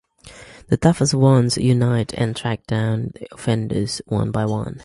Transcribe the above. The toughest ones unite and track down the offenders one by one.